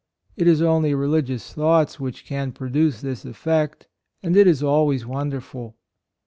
It is only religious thoughts which can produce this effect, and it is always wonderful.